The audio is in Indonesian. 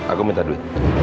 aku minta duit